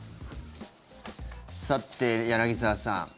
さて、柳澤さん。